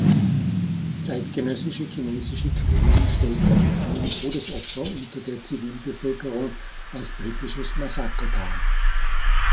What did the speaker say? Zeitgenössische chinesische Quellen stellten die vielen Todesopfer unter der Zivilbevölkerung als britisches Massaker dar.